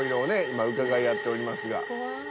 今うかがい合っておりますが。